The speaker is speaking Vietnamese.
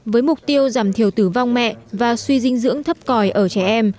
với mục tiêu giảm thiểu tử vong mẹ và suy dinh dưỡng thấp còi ở trẻ em